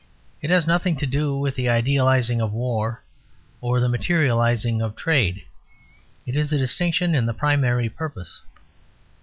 It has nothing to do with the idealising of war or the materialising of trade; it is a distinction in the primary purpose.